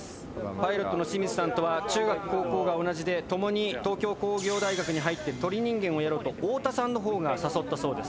パイロットの清水さんとは中学高校が同じで共に東京工業大学に入って鳥人間をやろうと太田さんの方が誘ったへえ。